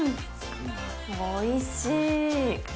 おいしいー。